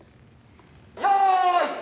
・よい！